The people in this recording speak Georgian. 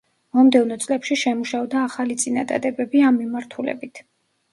მომდევნო წლებში შემუშავდა ახალი წინადადებები ამ მიმართულებით.